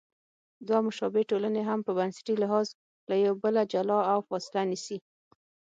دوه مشابه ټولنې هم په بنسټي لحاظ له یو بله جلا او فاصله نیسي.